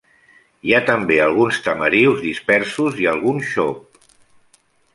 Hi ha també alguns tamarius dispersos i algun xop.